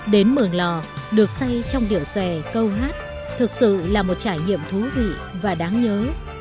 đến mường lò được xây trong điểu xòe câu hát thực sự là một trải nghiệm thú vị và đáng nhớ